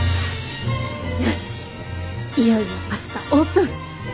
よしいよいよ明日オープン！